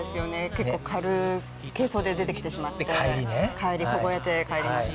結構、軽装で出てきてしまって帰り、凍えて帰りますね。